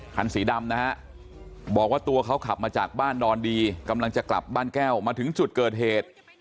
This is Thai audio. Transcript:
คันสีดำนะฮะบอกว่าตัวเขาขับมาจากบ้านดอนดีกำลังจะกลับบ้านแก้วมาถึงจุดเกิดเหตุ